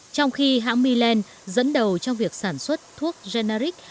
trong khi hãng mylan dẫn đầu trong việc sản xuất thuốc generic